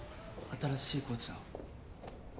新しいコーチの。